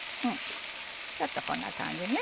ちょっとこんな感じね。